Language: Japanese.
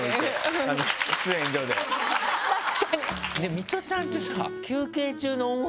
ミトちゃんってさ。